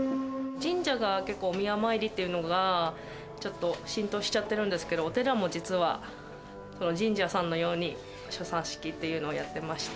神社が結構、お宮参りというのがちょっと浸透しちゃってるんですけど、お寺も実は神社さんのように、初参式っていうのをやってまして。